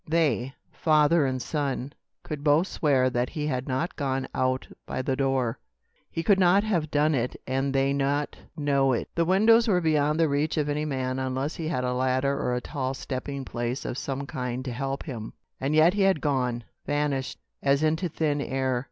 They, father and son, could both swear that he had not gone out by the door. He could not have done it and they not know it. The windows were beyond the reach of any man unless he had a ladder or a tall stepping place of some kind to help him. And yet he had gone vanished, as into thin air.